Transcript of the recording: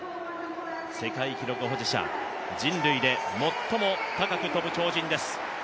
世界記録保持者、人類で最も高く跳ぶ鳥人です。